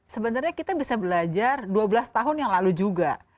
sebenarnya kita bisa belajar dua belas tahun yang lalu juga